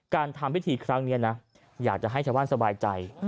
การทำพิธีครั้งนี้นะอยากจะให้ชาวบ้านสบายใจ